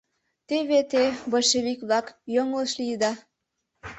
Теве те, большевик-влак, йоҥылыш лийыда.